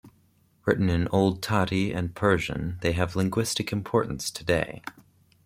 Written in old Tati and Persian, they have linguistic importance today.